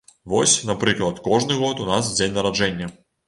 Вось, напрыклад, кожны год у нас дзень нараджэння.